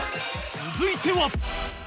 続いては